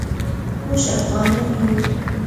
موږ افعانان یو